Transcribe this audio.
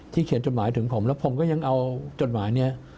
เขียนจดหมายถึงผมแล้วผมก็ยังเอาจดหมายนี้